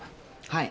はい。